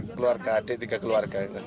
keluarga adik tiga keluarga